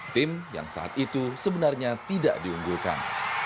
tim yang saat itu sebenarnya tidak diunggulkan